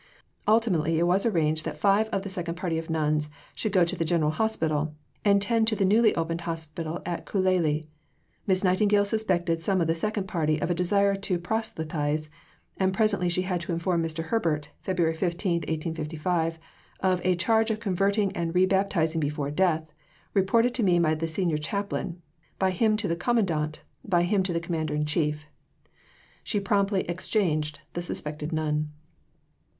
Ultimately it was arranged that five of the second party of nuns should go to the General Hospital, and ten to the newly opened hospital at Koulali. Miss Nightingale suspected some of the second party of a desire to proselytize; and presently she had to inform Mr. Herbert (Feb. 15, 1855) of "a charge of converting and rebaptizing before death, reported to me by the Senior Chaplain, by him to the Commandant, by him to the Commander in Chief." She promptly exchanged the suspected nun.